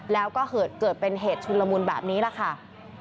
แล้วก็เกิดเป็นเหตุชุนละมุนแบบนี้แหละค่ะ